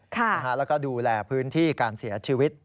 แล้วก็ดูแลพื้นที่การเสียชีวิต